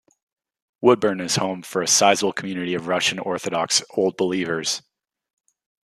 Woodburn is home for a sizable community of Russian Orthodox Old Believers.